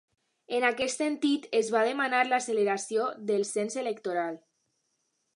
En aquest sentit, es va demanar l'acceleració del cens electoral.